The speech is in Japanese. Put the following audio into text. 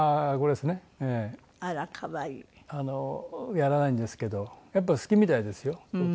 やらないんですけどやっぱ好きみたいですよ。